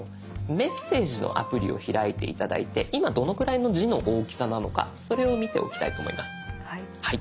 メッセージのアプリを開いて頂いて今どのくらいの字の大きさなのかそれを見ておきたいと思います。